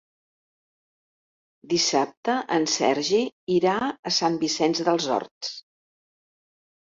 Dissabte en Sergi irà a Sant Vicenç dels Horts.